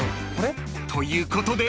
［ということで］